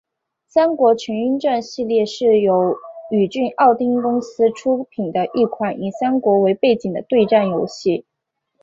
三国群英传系列是由宇峻奥汀公司出品的一款以三国为背景的对战游戏。